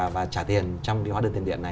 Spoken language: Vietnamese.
và trả tiền trong cái hóa đơn tiền điện này